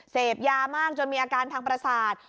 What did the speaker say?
เสพยามากจนมีอาการทางประสาท